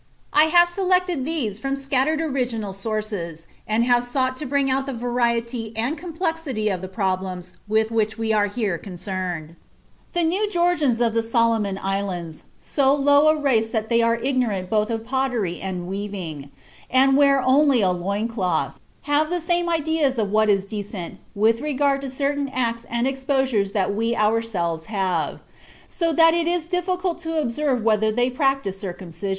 I have selected these from scattered original sources, and have sought to bring out the variety and complexity of the problems with which we are here concerned. The New Georgians of the Solomon Islands, so low a race that they are ignorant both of pottery and weaving, and wear only a loin cloth, "have the same ideas of what is decent with regard to certain acts and exposures that we ourselves have;" so that it is difficult to observe whether they practice circumcision.